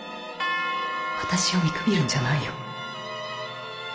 私を見くびるんじゃないよ。